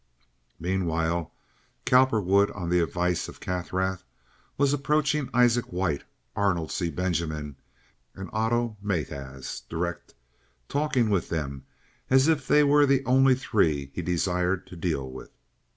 Meanwhile, Cowperwood, on the advice of Kaffrath, was approaching Isaac White, Arnold C. Benjamin, and Otto Matjes direct—talking with them as if they were the only three he desired to deal with.